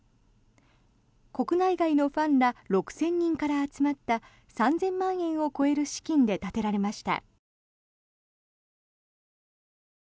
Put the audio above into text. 国内外のファンら６０００人から集まった３０００万円を超える資金で建てられました。